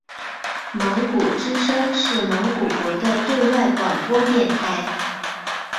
蒙古之声是蒙古国的对外广播电台。